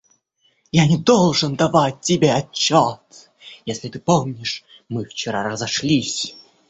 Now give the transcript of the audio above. Я не должен давать тебе отчет, если ты помнишь, мы вчера разошлись.